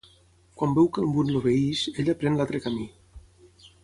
Quan veu que el Mud l'obeeix, ella pren l'altre camí.